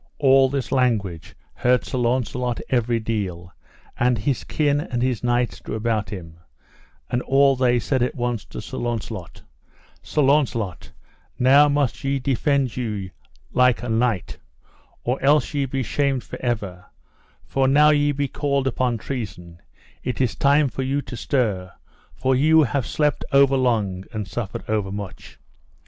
All this language heard Sir Launcelot every deal; and his kin and his knights drew about him, and all they said at once to Sir Launcelot: Sir Launcelot, now must ye defend you like a knight, or else ye be shamed for ever; for, now ye be called upon treason, it is time for you to stir, for ye have slept over long and suffered over much.